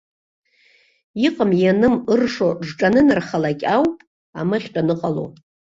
Иҟам-ианым ыршо рҿанынархалак ауп амыхьтә аныҟало.